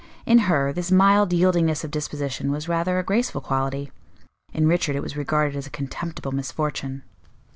In her, this mild yieldingness of disposition was rather a graceful quality; in Richard it was regarded as a contemptible misfortune.